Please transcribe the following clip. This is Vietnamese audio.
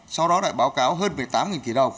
sau đó lại báo cáo hơn một mươi tám tỷ đồng